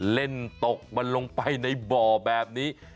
เล่นตกมันลงไปในบ่อแบบนี้